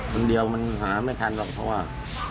คนเดียวมันหาไม่ทันหรอกเพราะว่า